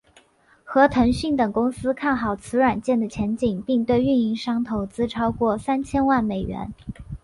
和腾讯等公司看好此软件的前景并对运营商投资超过三千万美元。